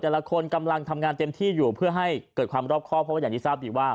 แต่ละคนกำลังทำงานเต็มที่อยู่เพื่อให้เกิดความรอบครอบเพราะว่าอย่างที่ทราบดีว่า